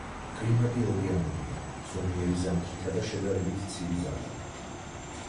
კლიმატი ოკეანურია, ზომიერი ზამთრითა და შედარებით ცივი ზაფხულით.